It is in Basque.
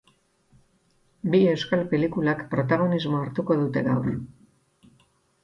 Bi euskal pelikulak protagonismoa hartuko dute gaur.